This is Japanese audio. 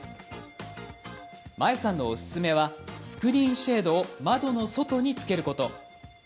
前さんのおすすめはスクリーンシェードを窓の外につけること。